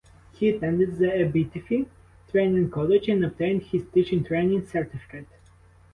He attended the Abetifi Training College and obtained his Teaching Training Certificate.